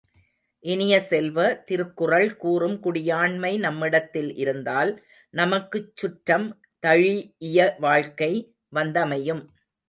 இனிய செல்வ, திருக்குறள் கூறும் குடியாண்மை நம்மிடத்தில் இருந்தால் நமக்குச் சுற்றம் தழீஇய வாழ்க்கை வந்தமையும்.